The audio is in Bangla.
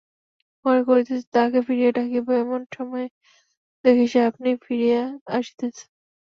মনে করিতেছি তাহাকে ফিরিয়া ডাকিব, এমন সময়ে দেখি সে আপনি ফিরিয়া আসিতেছে।